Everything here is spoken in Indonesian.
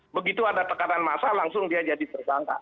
begitu ada tekanan massa langsung dia jadi tersangka